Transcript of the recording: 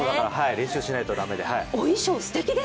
練習しないとだめで。